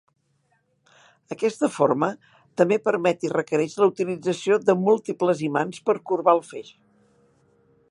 Aquesta forma també permet i requereix la utilització de múltiples imants per corbar el feix.